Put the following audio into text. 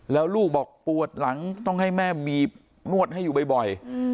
แล้วลูกบอกปวดหลังต้องให้แม่บีบนวดให้อยู่บ่อย